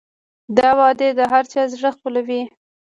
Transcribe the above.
دا وعدې د هر چا زړه خپلوي.